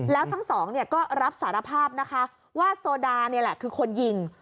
แล้วทั้งสองก็รับสารภาพนะคะว่าโซดานี่แหละคือคนยิง